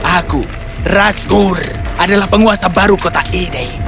aku rashur adalah penguasa baru kota ini